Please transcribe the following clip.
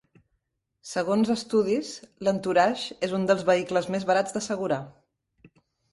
Segons estudies, l'Entourage és un dels vehicles més barats d'assegurar.